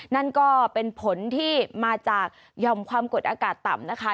นั่นก็เป็นผลที่มาจากหย่อมความกดอากาศต่ำนะคะ